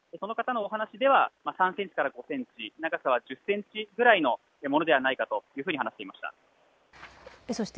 直径は、その方のお話では３センチから５センチ、長さは１０センチぐらいのものではないかというふうに話していました。